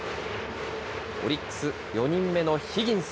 オリックス、４人目のヒギンス。